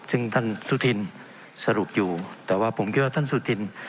ซึ่งท่านสุธินสรุปอยู่แต่ว่าผมคิดว่าท่านสุธิน